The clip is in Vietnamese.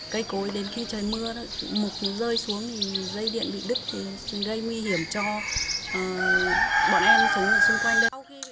cây cối đến khi trời mưa mục nó rơi xuống thì dây điện bị đứt thì gây nguy hiểm cho bọn em sống ở xung quanh đâu